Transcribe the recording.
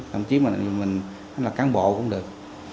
thậm chí là mình là cán bộ cũng được